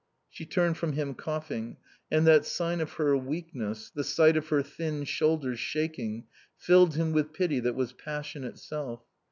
She turned from him coughing, and that sign of her weakness, the sight of her thin shoulders shaking filled him with pity that was passion itself.